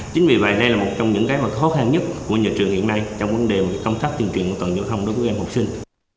chính vì vậy đây là một trong những cái khó khăn nhất của nhà trường hiện nay trong vấn đề công tác tuyên truyền của toàn giao thông đối với các em học sinh